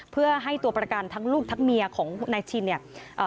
เพื่อให้ตัวประกันทั้งลูกทั้งเมียของนายชินเนี่ย